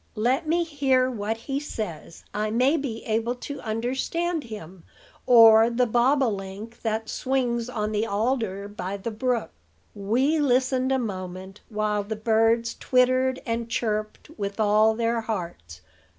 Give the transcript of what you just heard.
"Let me hear what he says. I may be able to understand him, or the bob o link that swings on the alder by the brook." Wee listened a moment, while the birds twittered and chirped with all their hearts.